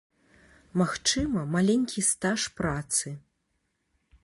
Магчыма, маленькі стаж працы.